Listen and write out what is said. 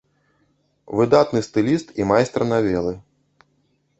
Выдатны стыліст і майстар навелы.